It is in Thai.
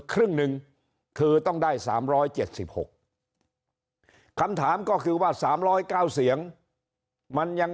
ครึ่งหนึ่งคือต้องได้๓๗๖คำถามก็คือว่า๓๐๙เสียงมันยัง